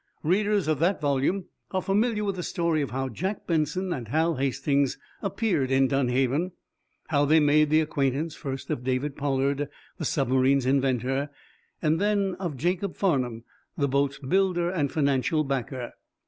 Readers of that volume are familiar with the story of how Jack Benson and Hal Hastings appeared in Dunhaven; how they made the acquaintance, first of David Pollard, the submarine's inventor, and then of Jacob Farnum, the boat's builder and financial backer.